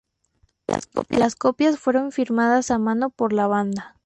Las copias fueron firmadas a mano por la banda.